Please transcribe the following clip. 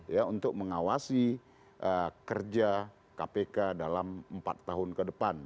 ya untuk mengawasi kerja kpk dalam empat tahun ke depan